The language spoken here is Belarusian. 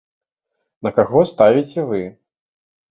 На каго ставіце вы?